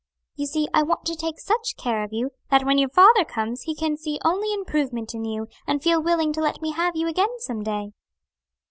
You see I want to take such care of you, that when your father comes he can see only improvement in you, and feel willing to let me have you again some day."